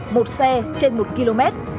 một xe trên một km